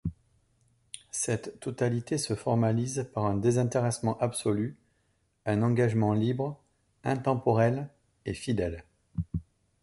Cette totalité se formalise par un désintéressement absolu, un engagement Libre, Intemporel, et Fidèle.